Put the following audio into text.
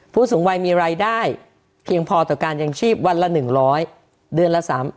ผู้สูงวัยมีรายได้เพียงพอต่อการจังชีพวันละ๑๐๐